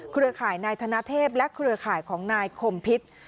เครือข่ายนายธนเทพและเครือข่ายของนายคมพิษ